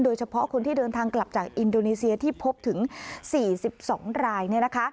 โดยเฉพาะคนที่เดินทางกลับจากอินโดนีเซียที่พบถึง๔๒ราย